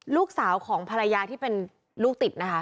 ลูกสาวของภรรยาที่เป็นลูกติดนะคะ